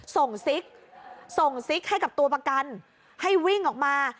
ส่งซิกส่งซิกให้กับตัวประกันให้วิ่งออกมา